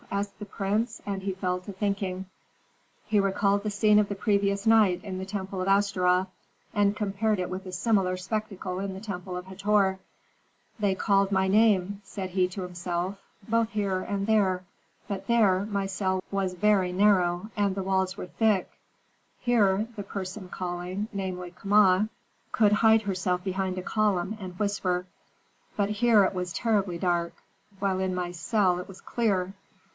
asked the prince, and he fell to thinking. He recalled the scene of the previous night in the temple of Astaroth, and compared it with a similar spectacle in the temple of Hator. "They called my name," said he to himself, "both here and there. But there my cell was very narrow, and the walls were thick; here the person calling, namely, Kama, could hide herself behind a column and whisper. But here it was terribly dark, while in my cell it was clear."